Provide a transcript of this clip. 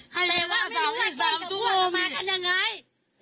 แต่ว่าไม่รู้เนิ่งกับบุคคลเขามากันอย่างไง